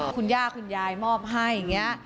คุณย่าคุณยายมอบให้อย่างนี้